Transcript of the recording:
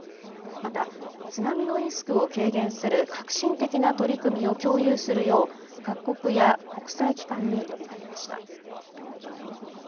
また津波のリスクを軽減する革新的な取り組みを共有するよう各国や国際機関に呼びかけました。